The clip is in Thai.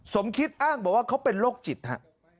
สมคิดอ้างบอกว่าเขาเป็นโรคจิตฮะ